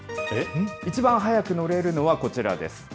一番早く乗れるのはこちらです。